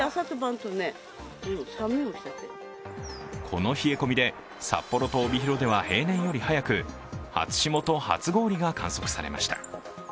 この冷え込みで、札幌と帯広では平年より早く初霜と初氷が観測されました。